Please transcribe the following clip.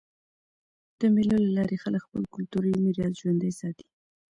د مېلو له لاري خلک خپل کلتوري میراث ژوندى ساتي.